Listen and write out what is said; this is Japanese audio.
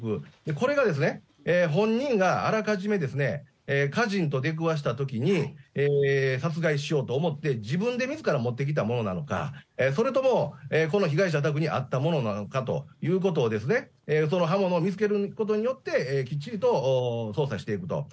これがですね、本人があらかじめですね、家人と出くわしたときに殺害しようと思って、自分でみずから持ってきたものなのか、それとも、この被害者宅にあったものなのかということを、その刃物を見つけることによって、きっちりと捜査していくと。